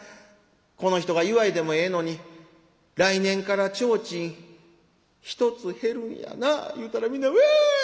この人が言わいでもええのに『来年から提灯１つ減るんやな』言うたら皆ワ。